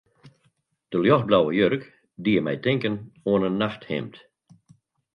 De ljochtblauwe jurk die my tinken oan in nachthimd.